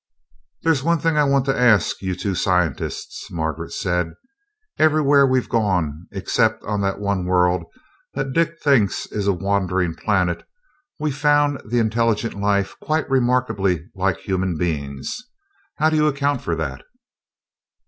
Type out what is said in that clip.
"There's one thing I want to ask you two scientists," Margaret said. "Everywhere we've gone, except on that one world that Dick thinks is a wandering planet, we've found the intelligent life quite remarkably like human beings. How do you account for that?"